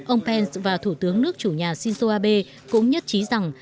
ông pence và thủ tướng nước chủ nhà shinzo abe cũng nhất trí rằng